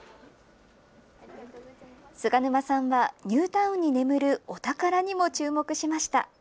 菅沼さんはニュータウンに眠るお宝にも注目しました。